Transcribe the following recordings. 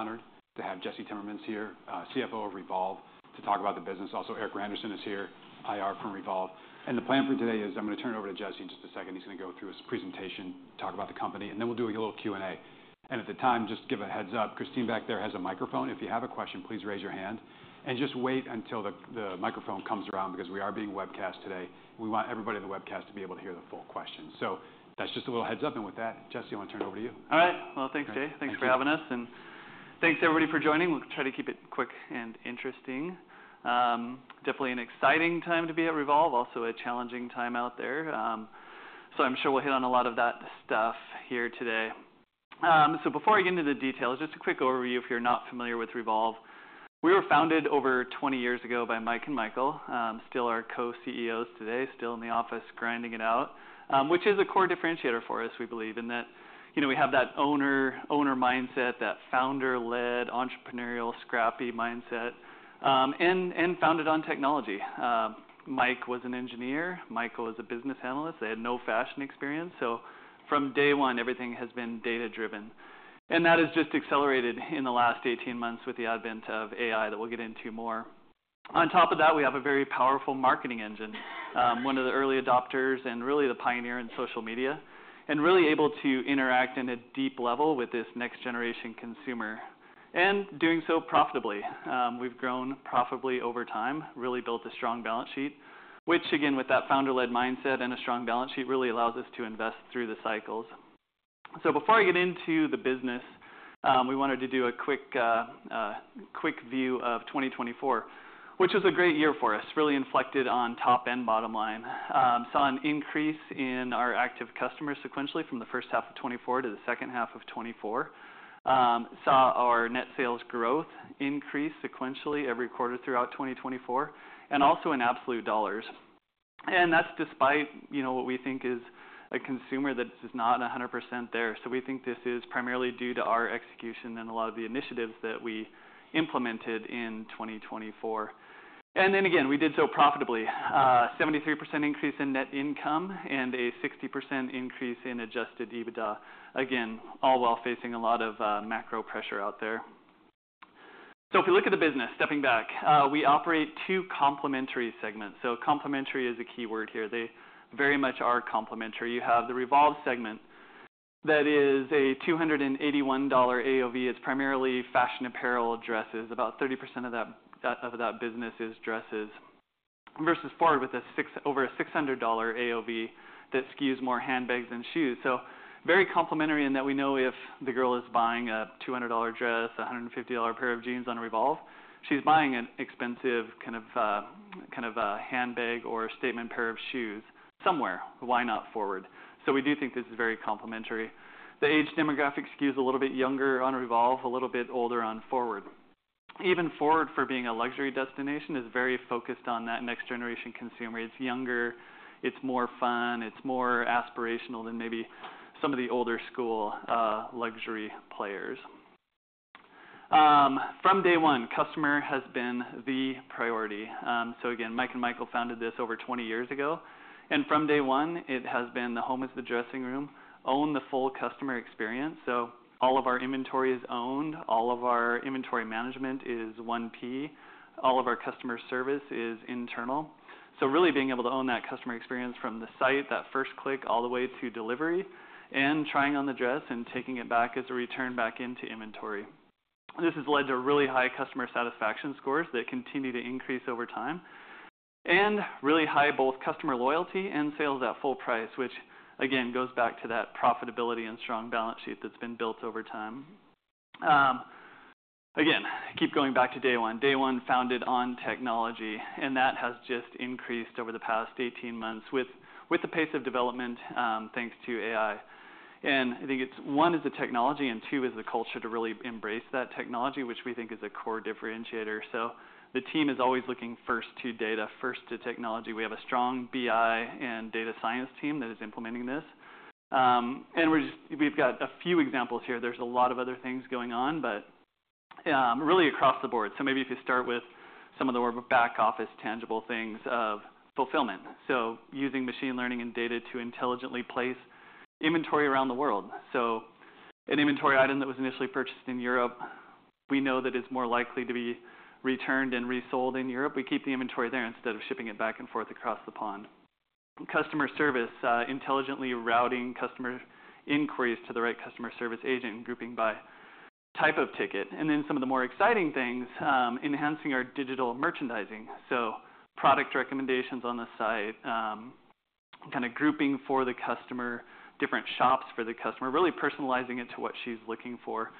Honored to have Jesse Timmermans here, CFO of Revolve, to talk about the business. Also, Erik Randerson is here, IR from Revolve. The plan for today is I'm going to turn it over to Jesse in just a second. He's going to go through his presentation, talk about the company, and then we'll do a little Q&A. At the time, just give a heads up. Christine back there has a microphone. If you have a question, please raise your hand. Just wait until the microphone comes around because we are being webcast today. We want everybody on the webcast to be able to hear the full question. That's just a little heads up. With that, Jesse, I want to turn it over to you. All right. Thanks, Jay. Thanks for having us. Thanks, everybody, for joining. We'll try to keep it quick and interesting. Definitely an exciting time to be at Revolve, also a challenging time out there. I'm sure we'll hit on a lot of that stuff here today. Before I get into the details, just a quick overview if you're not familiar with Revolve. We were founded over 20 years ago by Mike and Michael, still our co-CEOs today, still in the office grinding it out, which is a core differentiator for us, we believe, in that we have that owner mindset, that founder-led, entrepreneurial, scrappy mindset, and founded on technology. Mike was an engineer. Michael was a business analyst. They had no fashion experience. From day one, everything has been data-driven. That has just accelerated in the last 18 months with the advent of AI that we'll get into more. On top of that, we have a very powerful marketing engine, one of the early adopters and really the pioneer in social media, and really able to interact on a deep level with this next-generation consumer and doing so profitably. We've grown profitably over time, really built a strong balance sheet, which, again, with that founder-led mindset and a strong balance sheet really allows us to invest through the cycles. Before I get into the business, we wanted to do a quick view of 2024, which was a great year for us, really inflected on top and bottom line. Saw an increase in our active customers sequentially from the first half of 2024 to the second half of 2024. Saw our net sales growth increase sequentially every quarter throughout 2024, and also in absolute dollars. That is despite what we think is a consumer that is not 100% there. We think this is primarily due to our execution and a lot of the initiatives that we implemented in 2024. We did so profitably. 73% increase in net income and a 60% increase in adjusted EBITDA, again, all while facing a lot of macro pressure out there. If we look at the business, stepping back, we operate two complementary segments. Complementary is a key word here. They very much are complementary. You have the Revolve segment that is a $281 AOV. It is primarily fashion apparel, dresses. About 30% of that business is dresses versus FWRD with over a $600 AOV that skews more handbags than shoes. Very complementary in that we know if the girl is buying a $200 dress, a $150 pair of jeans on Revolve, she's buying an expensive kind of handbag or statement pair of shoes somewhere. Why not FWRD? We do think this is very complementary. The age demographic skews a little bit younger on Revolve, a little bit older on FWRD. Even FWRD, for being a luxury destination, is very focused on that next-generation consumer. It's younger. It's more fun. It's more aspirational than maybe some of the older school luxury players. From day one, customer has been the priority. Mike and Michael founded this over 20 years ago. From day one, it has been the home is the dressing room, own the full customer experience. All of our inventory is owned. All of our inventory management is 1P. All of our customer service is internal. Really being able to own that customer experience from the site, that first click, all the way to delivery, and trying on the dress and taking it back as a return back into inventory. This has led to really high customer satisfaction scores that continue to increase over time and really high both customer loyalty and sales at full price, which, again, goes back to that profitability and strong balance sheet that's been built over time. Again, keep going back to day one. Day one founded on technology. That has just increased over the past 18 months with the pace of development thanks to AI. I think it's one is the technology and two is the culture to really embrace that technology, which we think is a core differentiator. The team is always looking first to data, first to technology. We have a strong BI and data science team that is implementing this. We've got a few examples here. There's a lot of other things going on, but really across the board. Maybe if you start with some of the more back-office tangible things of fulfillment. Using machine learning and data to intelligently place inventory around the world. An inventory item that was initially purchased in Europe, we know that it's more likely to be returned and resold in Europe. We keep the inventory there instead of shipping it back and forth across the pond. Customer service, intelligently routing customer inquiries to the right customer service agent and grouping by type of ticket. Some of the more exciting things, enhancing our digital merchandising. Product recommendations on the site, kind of grouping for the customer, different shops for the customer, really personalizing it to what she's looking for.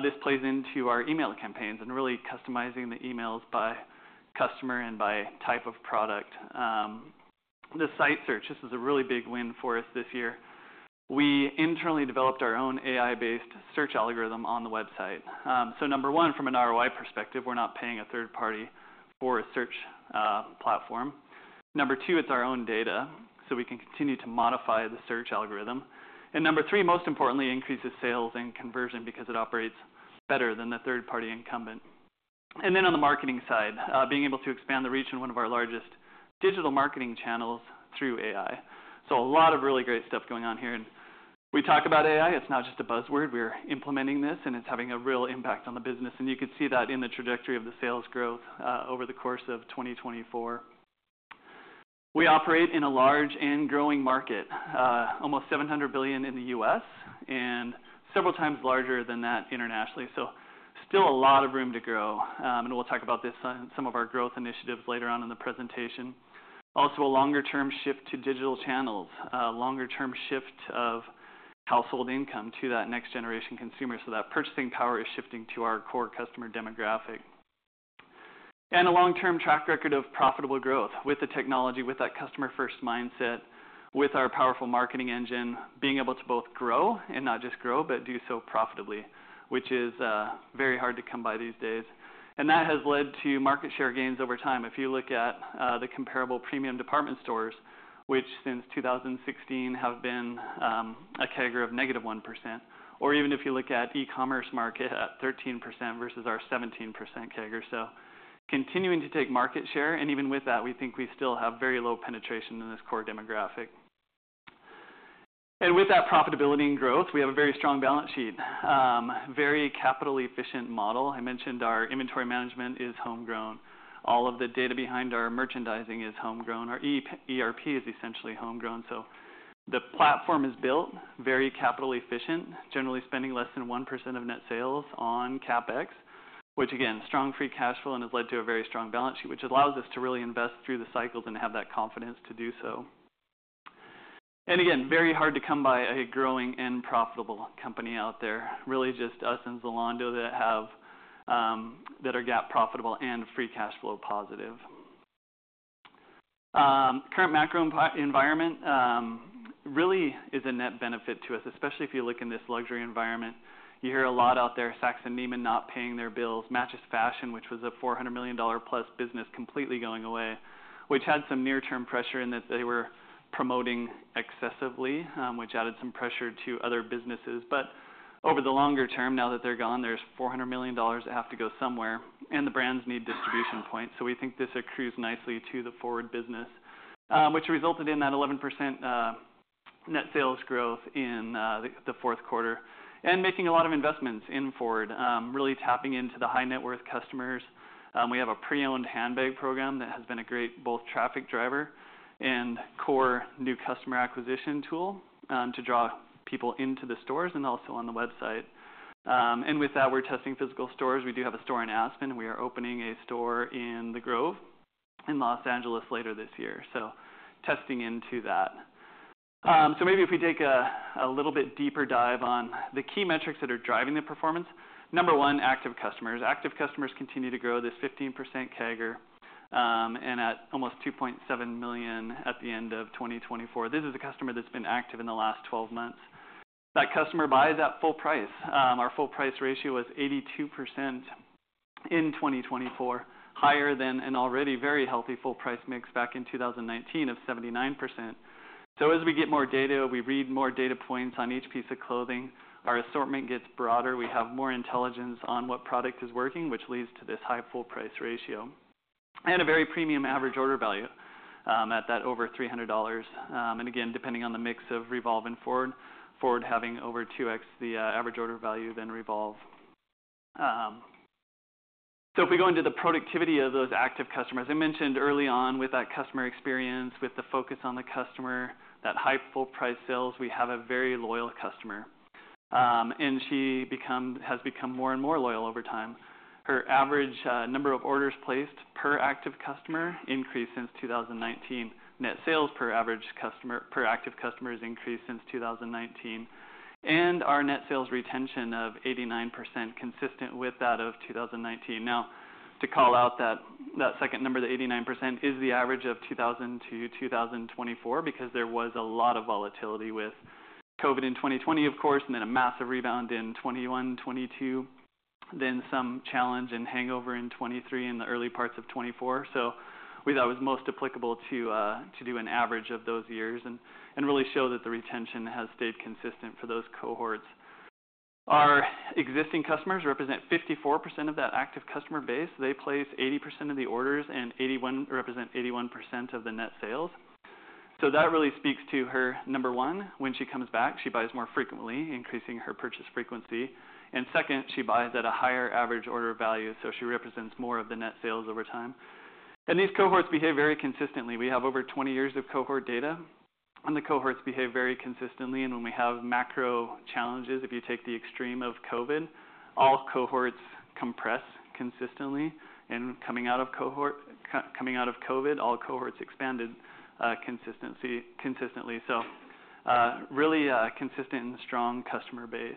This plays into our email campaigns and really customizing the emails by customer and by type of product. The site search, this is a really big win for us this year. We internally developed our own AI-based search algorithm on the website. Number one, from an ROI perspective, we're not paying a third party for a search platform. Number two, it's our own data. We can continue to modify the search algorithm. Number three, most importantly, increases sales and conversion because it operates better than the third-party incumbent. On the marketing side, being able to expand the reach in one of our largest digital marketing channels through AI. A lot of really great stuff going on here. We talk about AI. It's not just a buzzword. We're implementing this, and it's having a real impact on the business. You can see that in the trajectory of the sales growth over the course of 2024. We operate in a large and growing market, almost $700 billion in the U.S., and several times larger than that internationally. There is still a lot of room to grow. We'll talk about some of our growth initiatives later on in the presentation. Also, a longer-term shift to digital channels, a longer-term shift of household income to that next-generation consumer. That purchasing power is shifting to our core customer demographic. A long-term track record of profitable growth with the technology, with that customer-first mindset, with our powerful marketing engine, being able to both grow and not just grow, but do so profitably, which is very hard to come by these days. That has led to market share gains over time. If you look at the comparable premium department stores, which since 2016 have been a CAGR of -1%, or even if you look at e-commerce market at 13% versus our 17% CAGR. Continuing to take market share. Even with that, we think we still have very low penetration in this core demographic. With that profitability and growth, we have a very strong balance sheet, very capital-efficient model. I mentioned our inventory management is homegrown. All of the data behind our merchandising is homegrown. Our ERP is essentially homegrown. The platform is built, very capital-efficient, generally spending less than 1% of net sales on CapEx, which, again, strong free cash flow and has led to a very strong balance sheet, which allows us to really invest through the cycles and have that confidence to do so. Again, very hard to come by a growing and profitable company out there, really just us and Zalando that are GAAP profitable and free cash flow positive. Current macro environment really is a net benefit to us, especially if you look in this luxury environment. You hear a lot out there, Saks and Neiman not paying their bills, MatchesFashion, which was a $400 million+ business, completely going away, which had some near-term pressure in that they were promoting excessively, which added some pressure to other businesses. Over the longer term, now that they're gone, there's $400 million that have to go somewhere, and the brands need distribution points. We think this accrues nicely to the FWRD business, which resulted in that 11% net sales growth in the fourth quarter and making a lot of investments in FWRD, really tapping into the high-net-worth customers. We have a pre-owned handbag program that has been a great both traffic driver and core new customer acquisition tool to draw people into the stores and also on the website. With that, we're testing physical stores. We do have a store in Aspen. We are opening a store in the Grove in Los Angeles later this year. Testing into that. Maybe if we take a little bit deeper dive on the key metrics that are driving the performance, number one, active customers. Active customers continue to grow. There's 15% CAGR and at almost 2.7 million at the end of 2024. This is a customer that's been active in the last 12 months. That customer buys at full price. Our full price ratio was 82% in 2024, higher than an already very healthy full-price mix back in 2019 of 79%. As we get more data, we read more data points on each piece of clothing. Our assortment gets broader. We have more intelligence on what product is working, which leads to this high full-price ratio and a very premium average order value at that over $300. Again, depending on the mix of Revolve and FWRD, FWRD having over 2x the average order value than Revolve. If we go into the productivity of those active customers, I mentioned early on with that customer experience, with the focus on the customer, that high full-price sales, we have a very loyal customer. And she has become more and more loyal over time. Her average number of orders placed per active customer increased since 2019. Net sales per active customer has increased since 2019. Our net sales retention of 89% is consistent with that of 2019. Now, to call out that second number, the 89%, it is the average of 2000 to 2024 because there was a lot of volatility with COVID in 2020, of course, and then a massive rebound in 2021, 2022, then some challenge and hangover in 2023 and the early parts of 2024. We thought it was most applicable to do an average of those years and really show that the retention has stayed consistent for those cohorts. Our existing customers represent 54% of that active customer base. They place 80% of the orders and represent 81% of the net sales. That really speaks to her, number one, when she comes back, she buys more frequently, increasing her purchase frequency. Second, she buys at a higher average order value, so she represents more of the net sales over time. These cohorts behave very consistently. We have over 20 years of cohort data, and the cohorts behave very consistently. When we have macro challenges, if you take the extreme of COVID, all cohorts compress consistently. Coming out of COVID, all cohorts expanded consistently. Really consistent and strong customer base.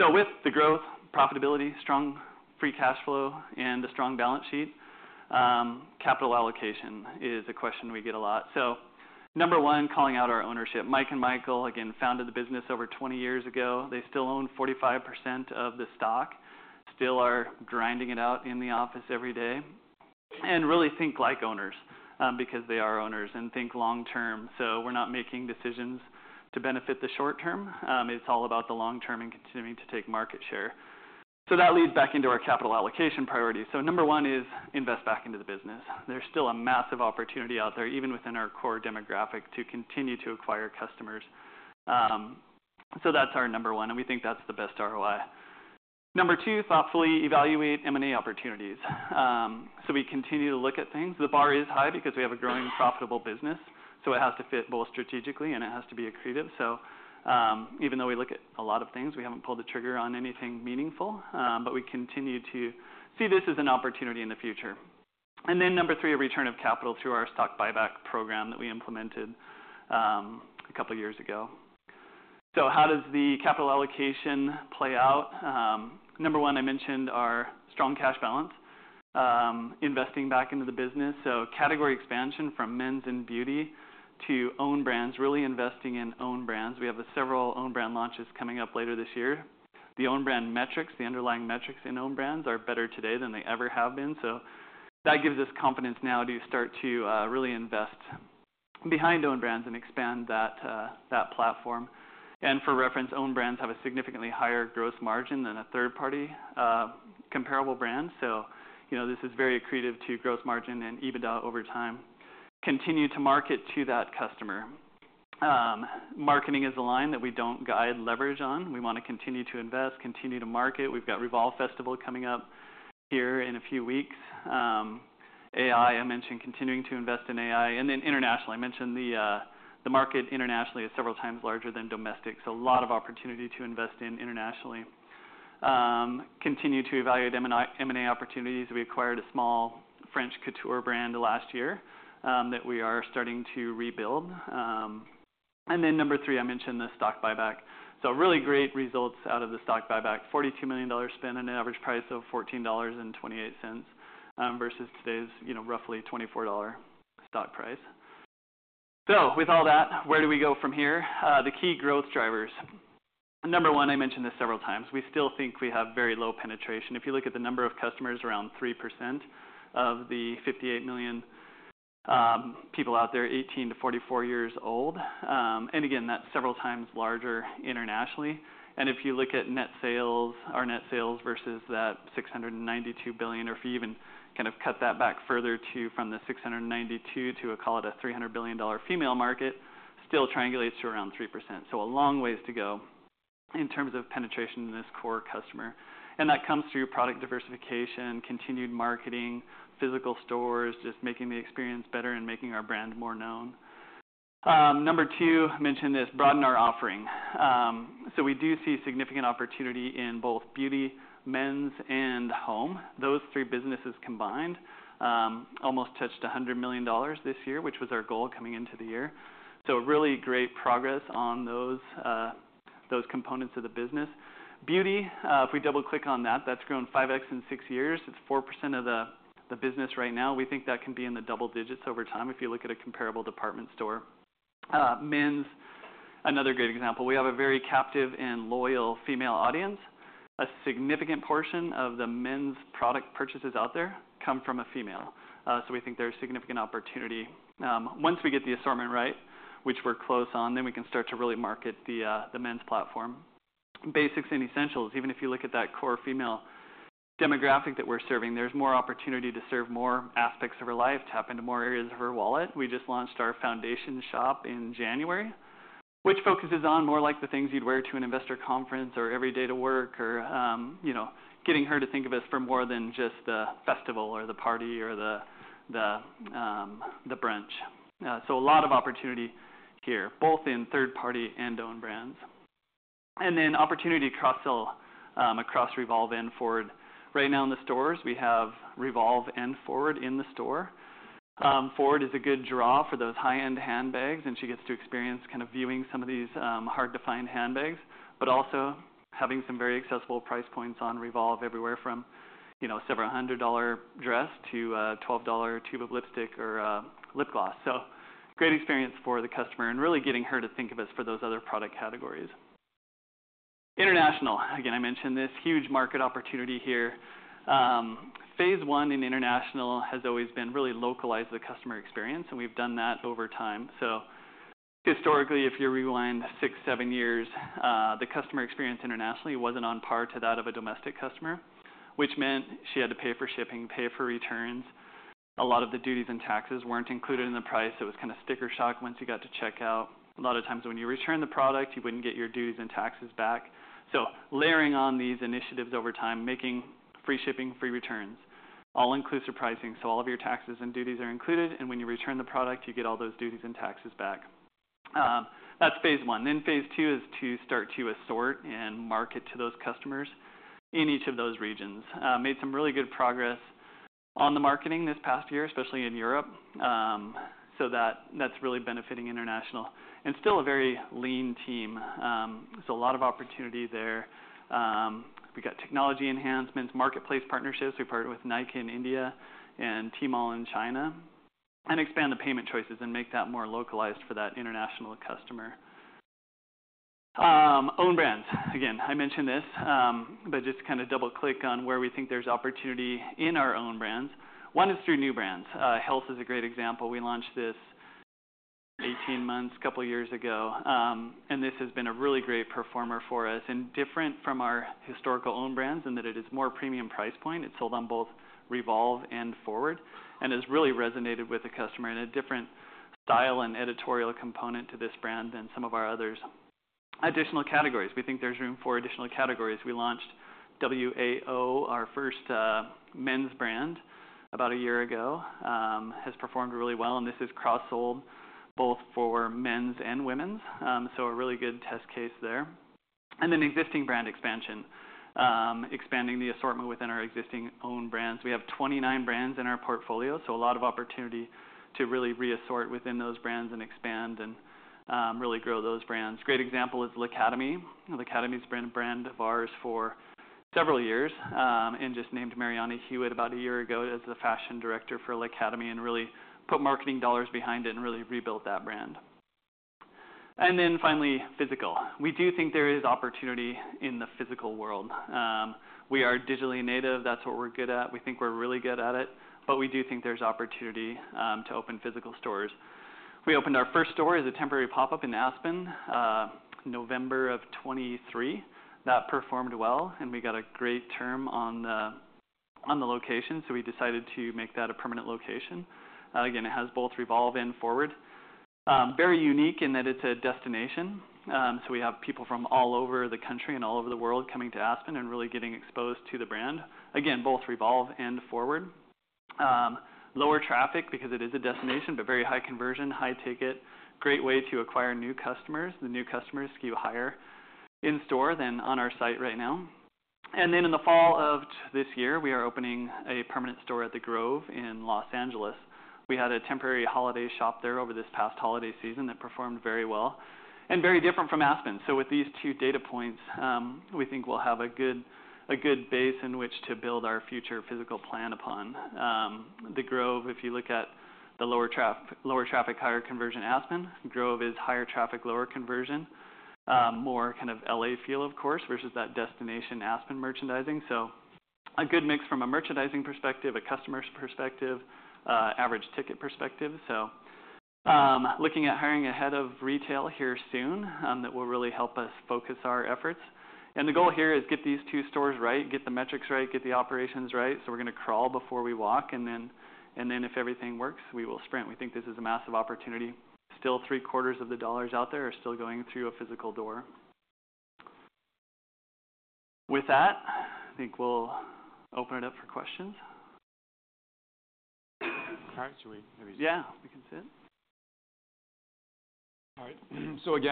With the growth, profitability, strong free cash flow, and a strong balance sheet, capital allocation is a question we get a lot. Number one, calling out our ownership. Mike and Michael, again, founded the business over 20 years ago. They still own 45% of the stock, still are grinding it out in the office every day. They really think like owners because they are owners and think long-term. We are not making decisions to benefit the short term. It is all about the long-term and continuing to take market share. That leads back into our capital allocation priority. Number one is invest back into the business. There is still a massive opportunity out there, even within our core demographic, to continue to acquire customers. That is our number one, and we think that is the best ROI. Number two, thoughtfully evaluate M&A opportunities. We continue to look at things. The bar is high because we have a growing profitable business. It has to fit both strategically, and it has to be accretive. Even though we look at a lot of things, we have not pulled the trigger on anything meaningful, but we continue to see this as an opportunity in the future. Number three, a return of capital through our stock buyback program that we implemented a couple of years ago. How does the capital allocation play out? Number one, I mentioned our strong cash balance, investing back into the business. Category expansion from men's and beauty to own brands, really investing in own brands. We have several own brand launches coming up later this year. The own brand metrics, the underlying metrics in own brands are better today than they ever have been. That gives us confidence now to start to really invest behind own brands and expand that platform. For reference, own brands have a significantly higher gross margin than a third-party comparable brand. This is very accretive to gross margin and EBITDA over time. Continue to market to that customer. Marketing is a line that we do not guide leverage on. We want to continue to invest, continue to market. We have got Revolve Festival coming up here in a few weeks. AI, I mentioned continuing to invest in AI. Internationally, I mentioned the market internationally is several times larger than domestic. A lot of opportunity to invest in internationally. Continue to evaluate M&A opportunities. We acquired a small French couture brand last year that we are starting to rebuild. Number three, I mentioned the stock buyback. Really great results out of the stock buyback, $42 million spent at an average price of $14.28 versus today's roughly $24 stock price. With all that, where do we go from here? The key growth drivers. Number one, I mentioned this several times. We still think we have very low penetration. If you look at the number of customers, around 3% of the 58 million people out there, 18 to 44 years old. Again, that's several times larger internationally. If you look at our net sales versus that $692 billion, or if you even kind of cut that back further from the $692 billion to, I call it a $300 billion female market, still triangulates to around 3%. A long ways to go in terms of penetration in this core customer. That comes through product diversification, continued marketing, physical stores, just making the experience better and making our brand more known. Number two, I mentioned this, broaden our offering. We do see significant opportunity in both beauty, men's, and home. Those three businesses combined almost touched $100 million this year, which was our goal coming into the year. Really great progress on those components of the business. Beauty, if we double-click on that, that's grown 5x in six years. It's 4% of the business right now. We think that can be in the double digits over time if you look at a comparable department store. Men's, another great example. We have a very captive and loyal female audience. A significant portion of the men's product purchases out there come from a female. We think there's significant opportunity. Once we get the assortment right, which we're close on, then we can start to really market the men's platform. Basics and essentials. Even if you look at that core female demographic that we're serving, there's more opportunity to serve more aspects of her life, tap into more areas of her wallet. We just launched our Foundation Shop in January, which focuses on more like the things you'd wear to an investor conference or every day to work or getting her to think of us for more than just the festival or the party or the brunch. A lot of opportunity here, both in third-party and own brands. Then opportunity across Revolve and FWRD. Right now in the stores, we have Revolve and FWRD in the store. FWRD is a good draw for those high-end handbags, and she gets to experience kind of viewing some of these hard-to-find handbags, but also having some very accessible price points on Revolve everywhere from a several hundred dollar dress to a $12 tube of lipstick or lip gloss. Great experience for the customer and really getting her to think of us for those other product categories. International. Again, I mentioned this huge market opportunity here. Phase 1 in international has always been really localized to the customer experience, and we've done that over time. Historically, if you rewind six, seven years, the customer experience internationally wasn't on par to that of a domestic customer, which meant she had to pay for shipping, pay for returns. A lot of the duties and taxes weren't included in the price. It was kind of sticker shock once you got to checkout. A lot of times when you return the product, you wouldn't get your duties and taxes back. Layering on these initiatives over time, making free shipping, free returns, all-inclusive pricing, all of your taxes and duties are included, and when you return the product, you get all those duties and taxes back. That's Phase 1. Phase 2 is to start to assort and market to those customers in each of those regions. Made some really good progress on the marketing this past year, especially in Europe. That's really benefiting international. Still a very lean team. There's a lot of opportunity there. We've got technology enhancements, marketplace partnerships. We partnered with Nykaa in India and Temu in China and expand the payment choices and make that more localized for that international customer. Own brands. Again, I mentioned this, but just to kind of double-click on where we think there's opportunity in our own brands. One is through new brands. Helsa is a great example. We launched this 18 months, a couple of years ago, and this has been a really great performer for us and different from our historical own brands in that it is more premium price point. It's sold on both Revolve and FWRD and has really resonated with the customer in a different style and editorial component to this brand than some of our others. Additional categories. We think there's room for additional categories. We launched WAO, our first men's brand, about a year ago. Has performed really well, and this has cross-sold both for men's and women's. A really good test case there. Existing brand expansion, expanding the assortment within our existing own brands. We have 29 brands in our portfolio, so a lot of opportunity to really reassort within those brands and expand and really grow those brands. Great example is L'Academie. L'Academie's been a brand of ours for several years and just named Marianna Hewitt about a year ago as the fashion director for L'Academie and really put marketing dollars behind it and really rebuilt that brand. Finally, physical. We do think there is opportunity in the physical world. We are digitally native. That's what we're good at. We think we're really good at it, but we do think there's opportunity to open physical stores. We opened our first store as a temporary pop-up in Aspen, November of 2023. That performed well, and we got a great term on the location, so we decided to make that a permanent location. Again, it has both REVOLVE and FWRD. Very unique in that it's a destination. We have people from all over the country and all over the world coming to Aspen and really getting exposed to the brand. Again, both Revolve and FWRD. Lower traffic because it is a destination, but very high conversion, high ticket. Great way to acquire new customers. The new customers skew higher in store than on our site right now. In the fall of this year, we are opening a permanent store at The Grove in Los Angeles. We had a temporary holiday shop there over this past holiday season that performed very well and very different from Aspen. With these two data points, we think we'll have a good base in which to build our future physical plan upon. The Grove, if you look at the lower traffic, higher conversion Aspen. Grove is higher traffic, lower conversion, more kind of LA feel, of course, versus that destination Aspen merchandising. A good mix from a merchandising perspective, a customer's perspective, average ticket perspective. Looking at hiring ahead of retail here soon that will really help us focus our efforts. The goal here is get these two stores right, get the metrics right, get the operations right. We're going to crawl before we walk, and if everything works, we will sprint. We think this is a massive opportunity. Still, three-quarters of the dollars out there are still going through a physical door. With that, I think we'll open it up for questions. All right. Should we maybe? Yeah. We can sit? All right.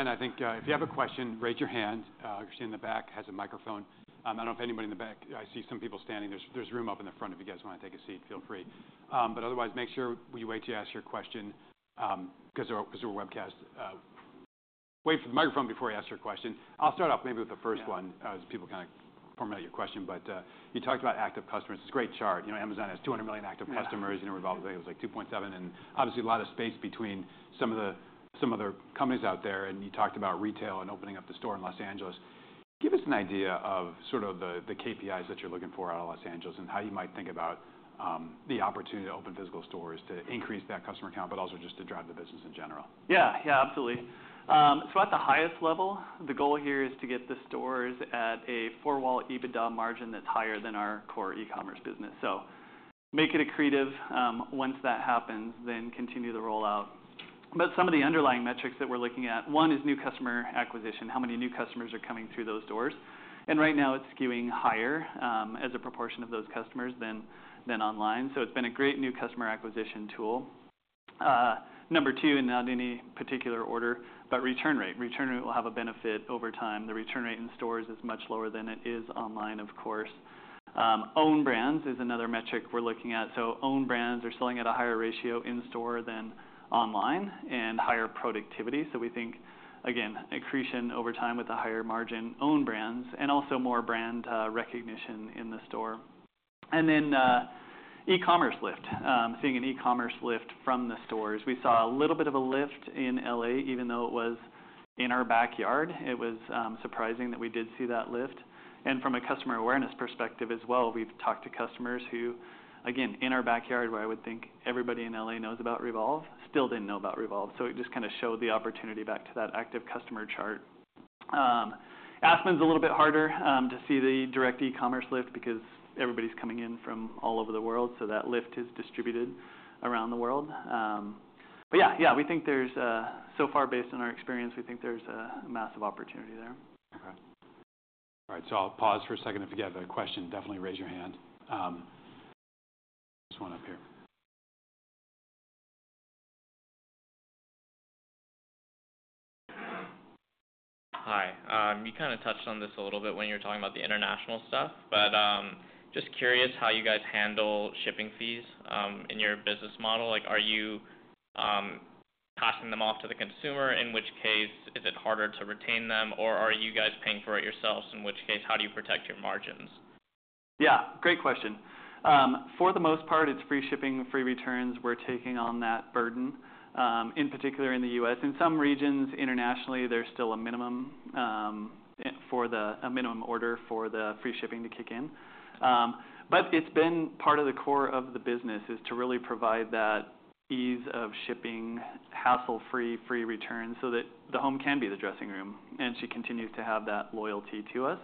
I think if you have a question, raise your hand. Christine in the back has a microphone. I do not know if anybody in the back. I see some people standing. There is room up in the front if you guys want to take a seat, feel free. Otherwise, make sure you wait to ask your question because we are a webcast. Wait for the microphone before you ask your question. I will start off maybe with the first one as people kind of formulate your question. You talked about active customers. It is a great chart. Amazon has 200 million active customers. Revolve was like 2.7, and obviously a lot of space between some of the companies out there. You talked about retail and opening up the store in Los Angeles. Give us an idea of sort of the KPIs that you're looking for out of Los Angeles and how you might think about the opportunity to open physical stores to increase that customer count, but also just to drive the business in general. Yeah. Yeah, absolutely. At the highest level, the goal here is to get the stores at a four-wall EBITDA margin that's higher than our core e-commerce business. Make it accretive. Once that happens, continue the rollout. Some of the underlying metrics that we're looking at, one is new customer acquisition. How many new customers are coming through those doors? Right now, it's skewing higher as a proportion of those customers than online. It's been a great new customer acquisition tool. Number two, and not in any particular order, return rate. Return rate will have a benefit over time. The return rate in stores is much lower than it is online, of course. Own brands is another metric we're looking at. Own brands are selling at a higher ratio in store than online and higher productivity. We think, again, accretion over time with a higher margin, own brands, and also more brand recognition in the store. E-commerce lift. Seeing an e-commerce lift from the stores. We saw a little bit of a lift in LA, even though it was in our backyard. It was surprising that we did see that lift. From a customer awareness perspective as well, we've talked to customers who, again, in our backyard, where I would think everybody in LA knows about Revolve, still didn't know about Revolve. It just kind of showed the opportunity back to that active customer chart. Aspen's a little bit harder to see the direct e-commerce lift because everybody's coming in from all over the world. That lift is distributed around the world. Yeah, yeah, we think there's, so far based on our experience, we think there's a massive opportunity there. Okay. All right. I'll pause for a second. If you have a question, definitely raise your hand. This one up here. Hi. You kind of touched on this a little bit when you were talking about the international stuff, but just curious how you guys handle shipping fees in your business model. Are you passing them off to the consumer, in which case is it harder to retain them, or are you guys paying for it yourselves, in which case how do you protect your margins? Yeah. Great question. For the most part, it's free shipping, free returns. We're taking on that burden, in particular in the U.S. In some regions internationally, there's still a minimum order for the free shipping to kick in. But it's been part of the core of the business is to really provide that ease of shipping, hassle-free, free returns so that the home can be the dressing room and she continues to have that loyalty to us.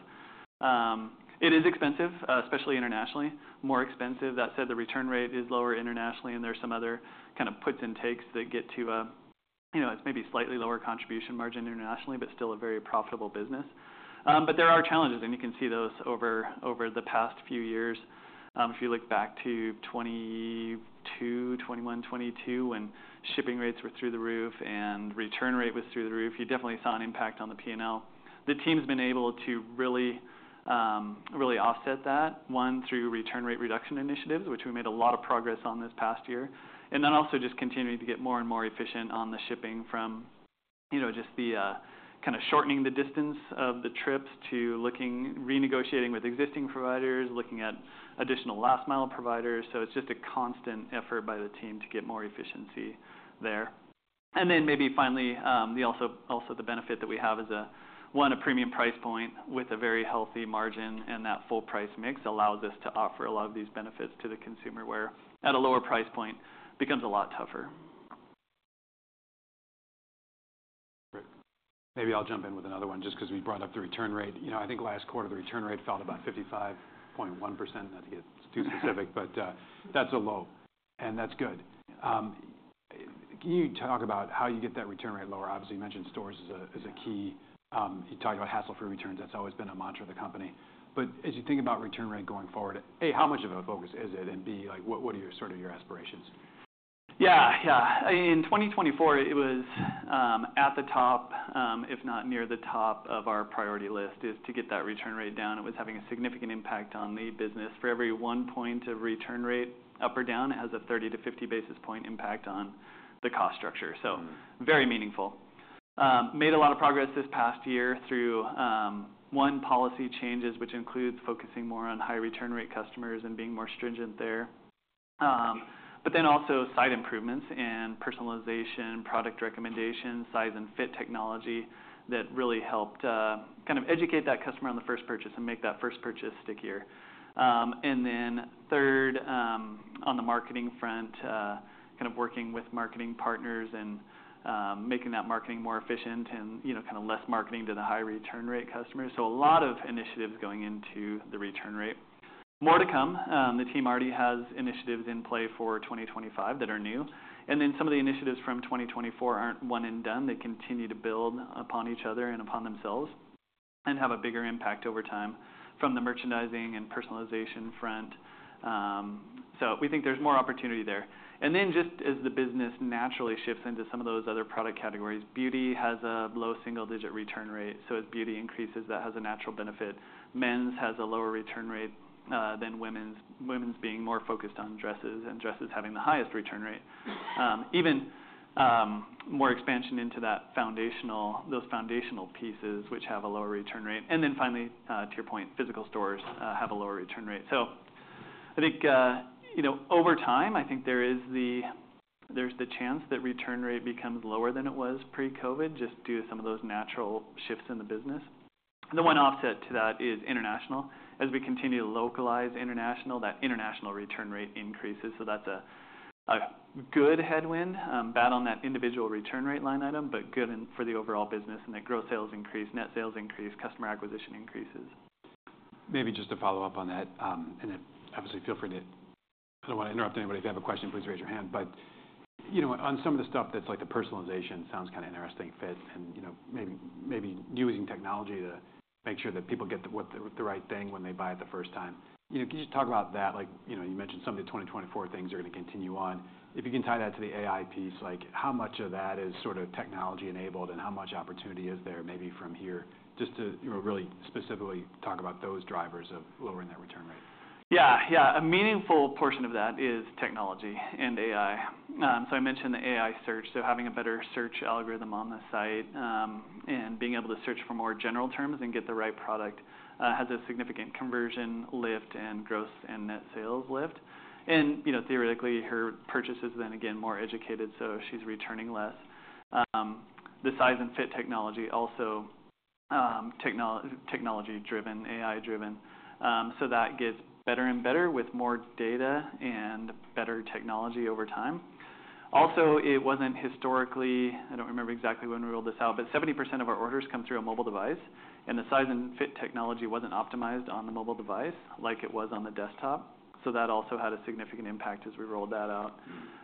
It is expensive, especially internationally, more expensive. That said, the return rate is lower internationally, and there's some other kind of puts and takes that get to a maybe slightly lower contribution margin internationally, but still a very profitable business. There are challenges, and you can see those over the past few years. If you look back to 2022, 2021, 2022, when shipping rates were through the roof and return rate was through the roof, you definitely saw an impact on the P&L. The team's been able to really offset that, one, through return rate reduction initiatives, which we made a lot of progress on this past year. Also, just continuing to get more and more efficient on the shipping from just the kind of shortening the distance of the trips to renegotiating with existing providers, looking at additional last-mile providers. It is just a constant effort by the team to get more efficiency there. Maybe finally, also the benefit that we have is, one, a premium price point with a very healthy margin, and that full price mix allows us to offer a lot of these benefits to the consumer where at a lower price point becomes a lot tougher. Great. Maybe I'll jump in with another one just because we brought up the return rate. I think last quarter, the return rate fell to about 55.1%. Not to get too specific, but that's a low, and that's good. Can you talk about how you get that return rate lower? Obviously, you mentioned stores as a key. You talked about hassle-free returns. That's always been a mantra of the company. As you think about return rate going forward, A, how much of a focus is it, and B, what are sort of your aspirations? Yeah. Yeah. In 2024, it was at the top, if not near the top of our priority list, is to get that return rate down. It was having a significant impact on the business. For every one point of return rate up or down, it has a 30 basis point-50 basis point impact on the cost structure. So very meaningful. Made a lot of progress this past year through, one, policy changes, which includes focusing more on high return rate customers and being more stringent there. Also site improvements and personalization, product recommendations, size and fit technology that really helped kind of educate that customer on the first purchase and make that first purchase stickier. Third, on the marketing front, kind of working with marketing partners and making that marketing more efficient and kind of less marketing to the high return rate customers. A lot of initiatives going into the return rate. More to come. The team already has initiatives in play for 2025 that are new. Some of the initiatives from 2024 are not one and done. They continue to build upon each other and upon themselves and have a bigger impact over time from the merchandising and personalization front. We think there is more opportunity there. Just as the business naturally shifts into some of those other product categories, beauty has a low single-digit return rate. As beauty increases, that has a natural benefit. Men's has a lower return rate than women's, women's being more focused on dresses and dresses having the highest return rate. Even more expansion into those foundational pieces, which have a lower return rate. Finally, to your point, physical stores have a lower return rate. I think over time, I think there's the chance that return rate becomes lower than it was pre-COVID just due to some of those natural shifts in the business. The one offset to that is international. As we continue to localize international, that international return rate increases. That's a good headwind, bad on that individual return rate line item, but good for the overall business in that gross sales increase, net sales increase, customer acquisition increases. Maybe just to follow up on that, and obviously, feel free to I don't want to interrupt anybody. If you have a question, please raise your hand. On some of the stuff that's like the personalization, sounds kind of interesting fit and maybe using technology to make sure that people get the right thing when they buy it the first time. Can you just talk about that? You mentioned some of the 2024 things are going to continue on. If you can tie that to the AI piece, how much of that is sort of technology-enabled and how much opportunity is there maybe from here just to really specifically talk about those drivers of lowering that return rate? Yeah. Yeah. A meaningful portion of that is technology and AI. I mentioned the AI search. Having a better search algorithm on the site and being able to search for more general terms and get the right product has a significant conversion lift and gross and net sales lift. Theoretically, her purchase is then, again, more educated, so she's returning less. The size and fit technology, also technology-driven, AI-driven, gets better and better with more data and better technology over time. Also, it wasn't historically—I don't remember exactly when we rolled this out—but 70% of our orders come through a mobile device, and the size and fit technology wasn't optimized on the mobile device like it was on the desktop. That also had a significant impact as we rolled that out.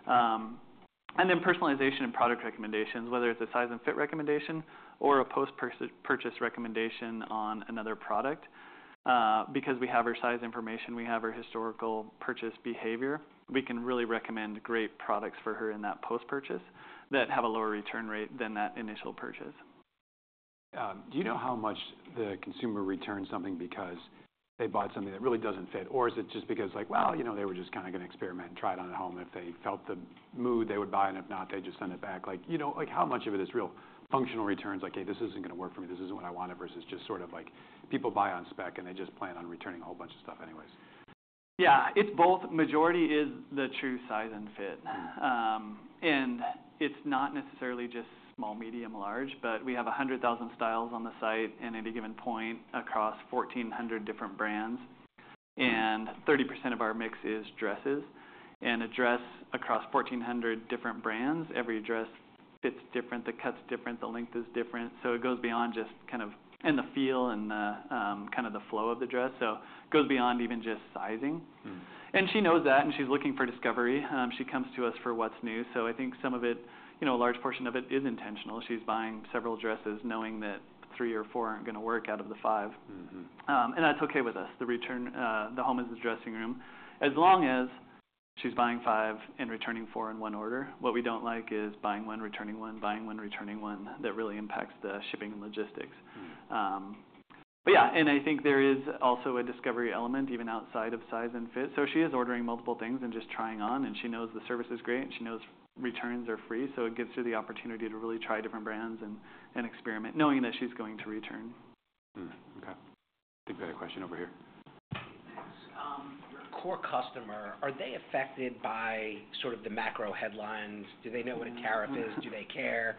Personalization and product recommendations, whether it's a size and fit recommendation or a post-purchase recommendation on another product, because we have her size information, we have her historical purchase behavior, we can really recommend great products for her in that post-purchase that have a lower return rate than that initial purchase. Do you know how much the consumer returns something because they bought something that really doesn't fit, or is it just because like, "Well, they were just kind of going to experiment and try it on at home. If they felt the mood, they would buy, and if not, they'd just send it back"? How much of it is real functional returns like, "Hey, this isn't going to work for me. This isn't what I wanted," versus just sort of like people buy on spec and they just plan on returning a whole bunch of stuff anyways? Yeah. It's both. Majority is the true size and fit. It's not necessarily just small, medium, large, but we have 100,000 styles on the site at any given point across 1,400 different brands. 30% of our mix is dresses. A dress across 1,400 different brands, every dress fits different, the cut's different, the length is different. It goes beyond just kind of the feel and kind of the flow of the dress. It goes beyond even just sizing. She knows that, and she's looking for discovery. She comes to us for what's new. I think some of it, a large portion of it, is intentional. She's buying several dresses knowing that three or four aren't going to work out of the five. That's okay with us. The home is the dressing room. As long as she's buying five and returning four in one order, what we don't like is buying one, returning one, buying one, returning one. That really impacts the shipping and logistics. Yeah, I think there is also a discovery element even outside of size and fit. She is ordering multiple things and just trying on, and she knows the service is great, and she knows returns are free. It gives her the opportunity to really try different brands and experiment knowing that she's going to return. Okay. I think we had a question over here. Thanks. Your core customer, are they affected by sort of the macro headlines? Do they know what a tariff is? Do they care?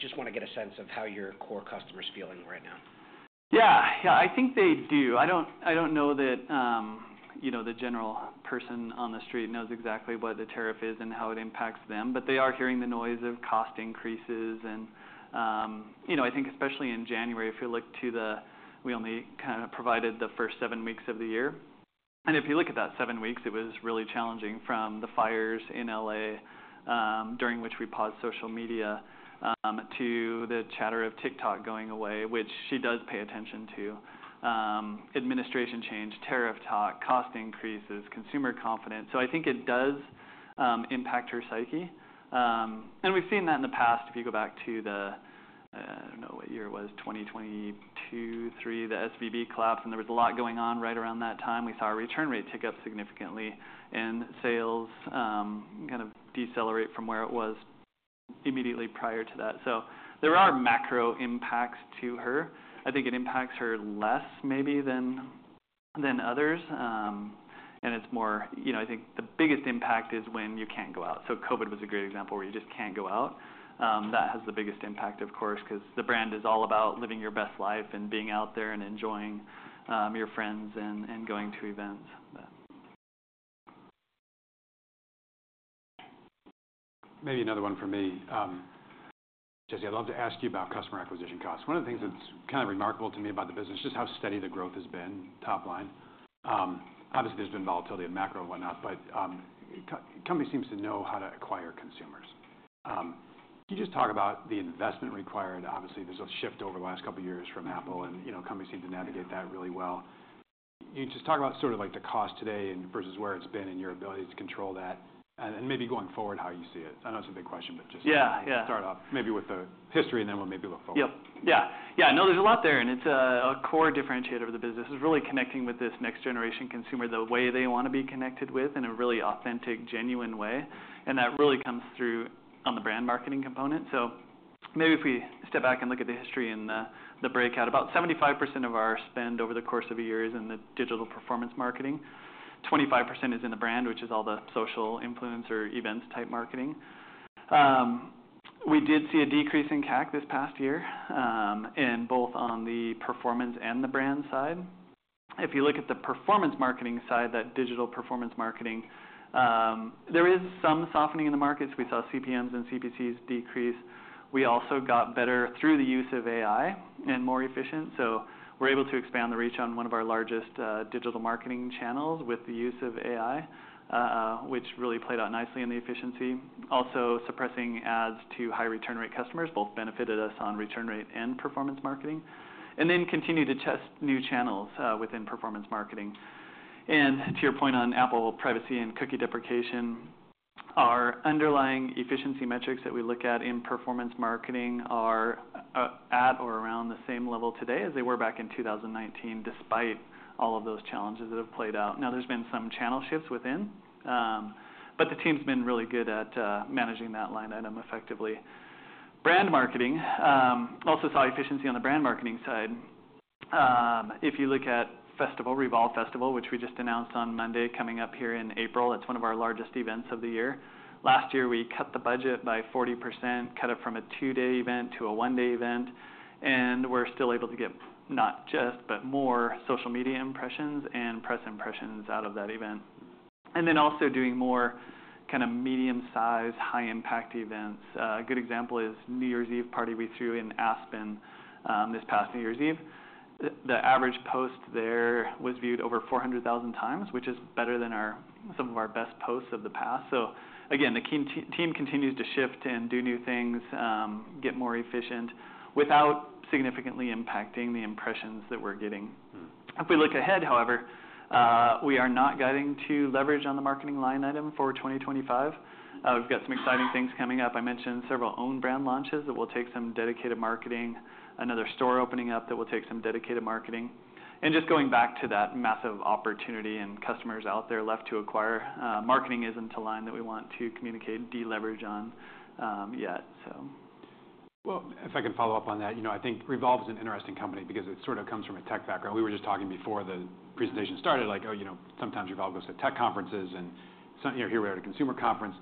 Just want to get a sense of how your core customer's feeling right now. Yeah. Yeah. I think they do. I don't know that the general person on the street knows exactly what the tariff is and how it impacts them, but they are hearing the noise of cost increases. I think especially in January, if you look to the we only kind of provided the first seven weeks of the year. If you look at that seven weeks, it was really challenging from the fires in LA, during which we paused social media, to the chatter of TikTok going away, which she does pay attention to, administration change, tariff talk, cost increases, consumer confidence. I think it does impact her psyche. We've seen that in the past. If you go back to the I don't know what year it was, 2022, 2023, the SVB collapse, and there was a lot going on right around that time. We saw a return rate tick up significantly and sales kind of decelerate from where it was immediately prior to that. There are macro impacts to her. I think it impacts her less maybe than others. It is more I think the biggest impact is when you cannot go out. COVID was a great example where you just cannot go out. That has the biggest impact, of course, because the brand is all about living your best life and being out there and enjoying your friends and going to events. Maybe another one for me. Jesse, I'd love to ask you about customer acquisition costs. One of the things that's kind of remarkable to me about the business is just how steady the growth has been, top line. Obviously, there's been volatility in macro and whatnot, but the company seems to know how to acquire consumers. Can you just talk about the investment required? Obviously, there's a shift over the last couple of years from Apple, and companies seem to navigate that really well. Can you just talk about sort of the cost today versus where it's been and your ability to control that, and maybe going forward how you see it? I know it's a big question, but just start off maybe with the history and then we'll maybe look forward. Yep. Yeah. Yeah. No, there's a lot there, and it's a core differentiator of the business is really connecting with this next-generation consumer, the way they want to be connected with in a really authentic, genuine way. That really comes through on the brand marketing component. Maybe if we step back and look at the history and the breakout, about 75% of our spend over the course of a year is in the digital performance marketing. 25% is in the brand, which is all the social influencer events type marketing. We did see a decrease in CAC this past year in both on the performance and the brand side. If you look at the performance marketing side, that digital performance marketing, there is some softening in the markets. We saw CPMs and CPCs decrease. We also got better through the use of AI and more efficient. We're able to expand the reach on one of our largest digital marketing channels with the use of AI, which really played out nicely in the efficiency. Also, suppressing ads to high return rate customers both benefited us on return rate and performance marketing, and then continue to test new channels within performance marketing. To your point on Apple privacy and cookie deprecation, our underlying efficiency metrics that we look at in performance marketing are at or around the same level today as they were back in 2019, despite all of those challenges that have played out. There have been some channel shifts within, but the team's been really good at managing that line item effectively. Brand marketing also saw efficiency on the brand marketing side. If you look at festival, Revolve Festival, which we just announced on Monday coming up here in April, it's one of our largest events of the year. Last year, we cut the budget by 40%, cut it from a two-day event to a one-day event, and we were still able to get not just, but more social media impressions and press impressions out of that event. We are also doing more kind of medium-sized, high-impact events. A good example is New Year's Eve party we threw in Aspen this past New Year's Eve. The average post there was viewed over 400,000 times, which is better than some of our best posts of the past. The team continues to shift and do new things, get more efficient without significantly impacting the impressions that we're getting. If we look ahead, however, we are not guiding to leverage on the marketing line item for 2025. We've got some exciting things coming up. I mentioned several owned brand launches that will take some dedicated marketing, another store opening up that will take some dedicated marketing. Just going back to that massive opportunity and customers out there left to acquire, marketing isn't a line that we want to communicate deleverage on yet, so. If I can follow up on that, I think Revolve is an interesting company because it sort of comes from a tech background. We were just talking before the presentation started, like, "Oh, sometimes Revolve goes to tech conferences, and here we are at a consumer conference."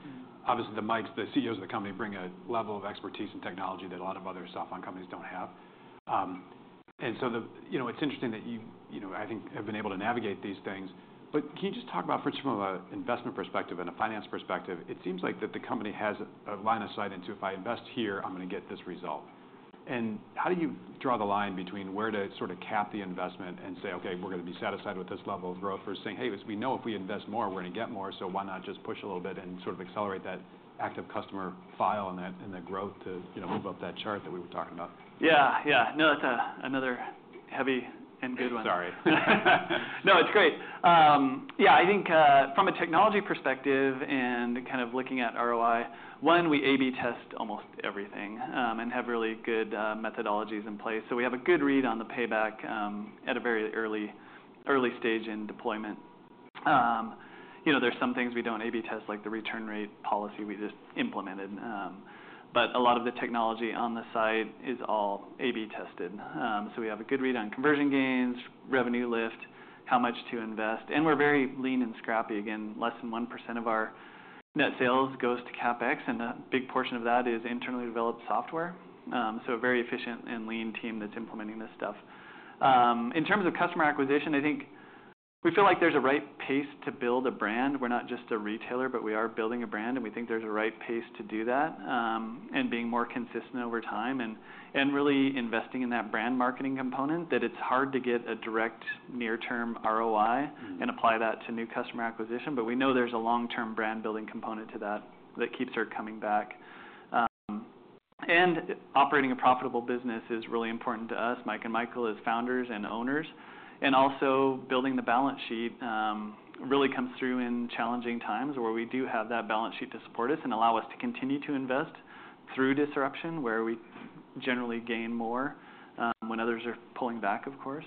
Obviously, the CEOs of the company bring a level of expertise and technology that a lot of other software companies don't have. It is interesting that you, I think, have been able to navigate these things. Can you just talk about, from an investment perspective and a finance perspective, it seems like the company has a line of sight into, "If I invest here, I'm going to get this result." How do you draw the line between where to sort of cap the investment and say, "Okay, we're going to be satisfied with this level of growth," versus saying, "Hey, we know if we invest more, we're going to get more, so why not just push a little bit and sort of accelerate that active customer file and that growth to move up that chart that we were talking about"? Yeah. Yeah. No, that's another heavy and good one. I'm sorry. No, it's great. Yeah. I think from a technology perspective and kind of looking at ROI, one, we A/B test almost everything and have really good methodologies in place. We have a good read on the payback at a very early stage in deployment. There are some things we do not A/B test, like the return rate policy we just implemented. A lot of the technology on the site is all A/B tested. We have a good read on conversion gains, revenue lift, how much to invest. We are very lean and scrappy. Again, less than 1% of our net sales goes to CapEx, and a big portion of that is internally developed software. A very efficient and lean team is implementing this stuff. In terms of customer acquisition, I think we feel like there is a right pace to build a brand. We're not just a retailer, but we are building a brand, and we think there's a right pace to do that and being more consistent over time and really investing in that brand marketing component that it's hard to get a direct near-term ROI and apply that to new customer acquisition. We know there's a long-term brand-building component to that that keeps her coming back. Operating a profitable business is really important to us. Mike and Michael as founders and owners. Also, building the balance sheet really comes through in challenging times where we do have that balance sheet to support us and allow us to continue to invest through disruption where we generally gain more when others are pulling back, of course.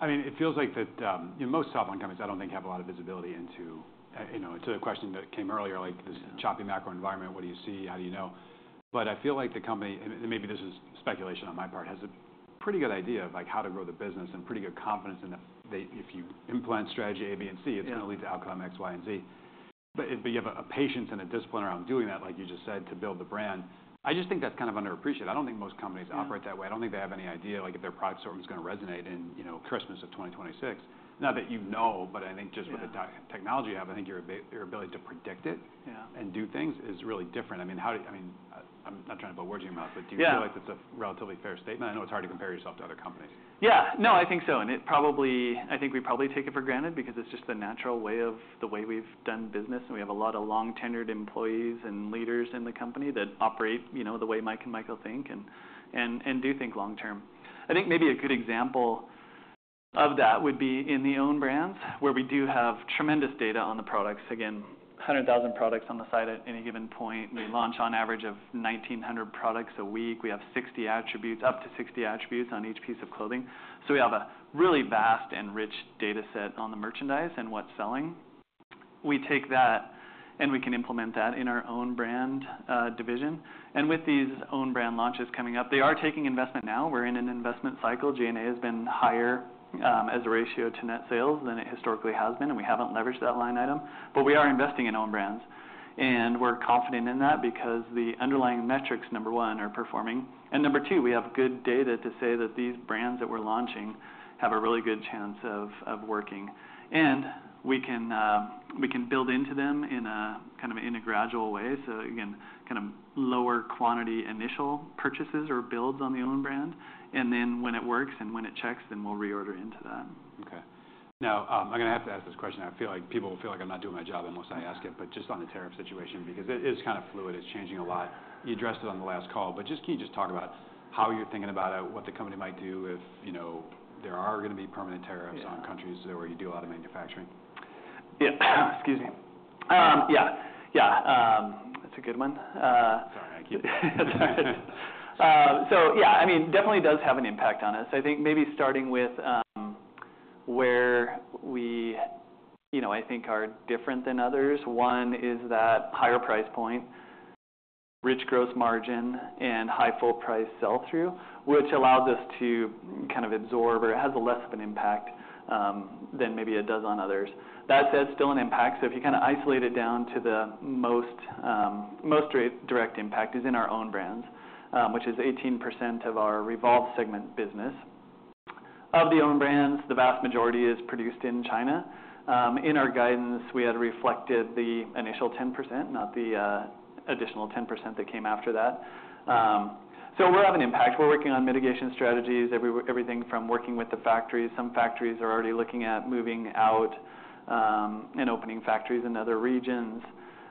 I mean, it feels like that most software companies, I don't think, have a lot of visibility into it's a question that came earlier, like this choppy macro environment, what do you see, how do you know? I feel like the company, and maybe this is speculation on my part, has a pretty good idea of how to grow the business and pretty good confidence in that if you implement strategy A, B, and C, it's going to lead to outcome X, Y, and Z. You have a patience and a discipline around doing that, like you just said, to build the brand. I just think that's kind of underappreciated. I don't think most companies operate that way. I don't think they have any idea if their product's going to resonate in Christmas of 2026. Not that you know, but I think just with the technology you have, I think your ability to predict it and do things is really different. I mean, I'm not trying to put words in your mouth, but do you feel like that's a relatively fair statement? I know it's hard to compare yourself to other companies. Yeah. No, I think so. I think we probably take it for granted because it's just the natural way of the way we've done business. We have a lot of long-tenured employees and leaders in the company that operate the way Mike and Michael think and do think long-term. I think maybe a good example of that would be in the owned brands where we do have tremendous data on the products. Again, 100,000 products on the site at any given point. We launch on average 1,900 products a week. We have up to 60 attributes on each piece of clothing. We have a really vast and rich data set on the merchandise and what's selling. We take that, and we can implement that in our owned brand division. With these owned brand launches coming up, they are taking investment now. We're in an investment cycle. G&A has been higher as a ratio to net sales than it historically has been, and we haven't leveraged that line item. We are investing in owned brands, and we're confident in that because the underlying metrics, number one, are performing. Number two, we have good data to say that these brands that we're launching have a really good chance of working. We can build into them in a kind of an integral way, so again, kind of lower quantity initial purchases or builds on the owned brand. When it works and when it checks, then we'll reorder into that. Okay. Now, I'm going to have to ask this question. I feel like people will feel like I'm not doing my job unless I ask it, but just on the tariff situation because it is kind of fluid. It's changing a lot. You addressed it on the last call, but just can you just talk about how you're thinking about it, what the company might do if there are going to be permanent tariffs on countries where you do a lot of manufacturing? Yeah. Excuse me. Yeah. That's a good one. Sorry. I keep. Yeah, I mean, definitely does have an impact on us. I think maybe starting with where we, I think, are different than others. One is that higher price point, rich gross margin, and high full-price sell-through, which allows us to kind of absorb or has less of an impact than maybe it does on others. That said, still an impact. If you kind of isolate it down to the most direct impact, it is in our owned brands, which is 18% of our Revolve segment business. Of the owned brands, the vast majority is produced in China. In our guidance, we had reflected the initial 10%, not the additional 10% that came after that. We are having impact. We are working on mitigation strategies, everything from working with the factories. Some factories are already looking at moving out and opening factories in other regions.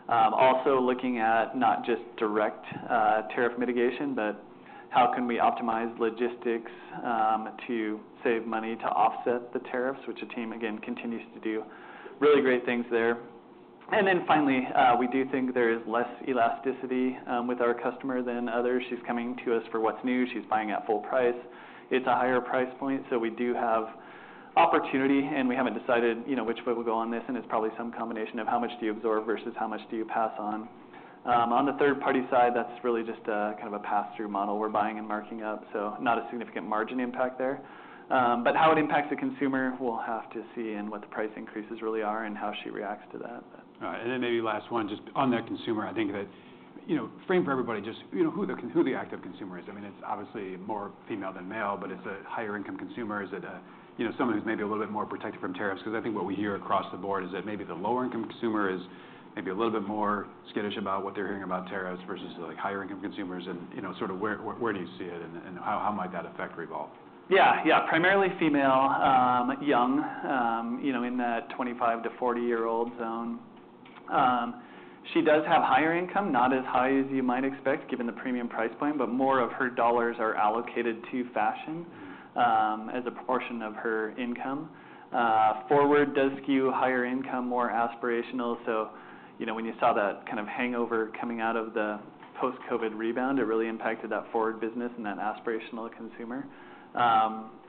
Also looking at not just direct tariff mitigation, but how can we optimize logistics to save money to offset the tariffs, which the team, again, continues to do really great things there. Finally, we do think there is less elasticity with our customer than others. She's coming to us for what's new. She's buying at full price. It's a higher price point, so we do have opportunity, and we haven't decided which way we'll go on this. It's probably some combination of how much do you absorb versus how much do you pass on. On the third-party side, that's really just kind of a pass-through model we're buying and marking up, so not a significant margin impact there. How it impacts the consumer, we'll have to see in what the price increases really are and how she reacts to that. All right. Maybe last one, just on that consumer, I think that frame for everybody just who the active consumer is. I mean, it's obviously more female than male, but it's a higher-income consumer. Is it someone who's maybe a little bit more protected from tariffs? Because I think what we hear across the board is that maybe the lower-income consumer is maybe a little bit more skittish about what they're hearing about tariffs versus the higher-income consumers. Sort of where do you see it, and how might that affect Revolve? Yeah. Yeah. Primarily female, young in that 25 year old-40-year-old zone. She does have higher income, not as high as you might expect given the premium price point, but more of her dollars are allocated to fashion as a portion of her income. FWRD does skew higher income, more aspirational. When you saw that kind of hangover coming out of the post-COVID rebound, it really impacted that FWRD business and that aspirational consumer.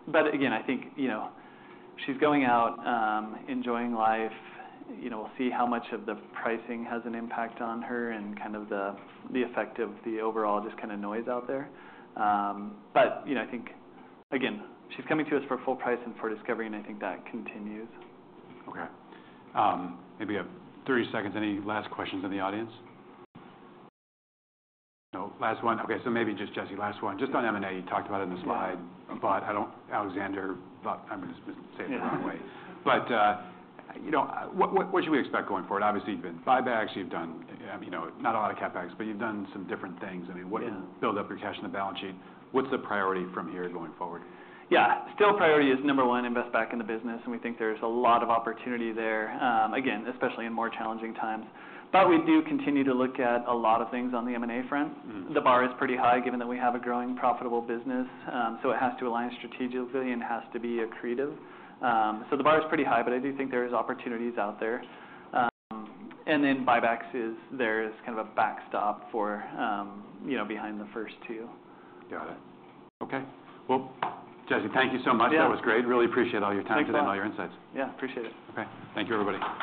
Again, I think she's going out, enjoying life. We'll see how much of the pricing has an impact on her and kind of the effect of the overall just kind of noise out there. I think, again, she's coming to us for full price and for discovery, and I think that continues. Okay. Maybe 30 seconds. Any last questions in the audience? No? Last one. Okay. Maybe just Jesse, last one. Just on M&A, you talked about it in the slide, but I don't, Alexandre, but I'm going to say it the wrong way. What should we expect going forward? Obviously, you've been buybacks. You've done not a lot of CapEx, but you've done some different things. I mean, what build-up your cash in the balance sheet? What's the priority from here going forward? Yeah. Still, priority is number one, invest back in the business, and we think there's a lot of opportunity there, again, especially in more challenging times. We do continue to look at a lot of things on the M&A front. The bar is pretty high given that we have a growing profitable business. It has to align strategically and has to be accretive. The bar is pretty high, I do think there are opportunities out there. Buybacks is there as kind of a backstop behind the first two. Got it. Okay. Jesse, thank you so much. That was great. Really appreciate all your time today and all your insights. Yeah. Appreciate it. Okay. Thank you, everybody.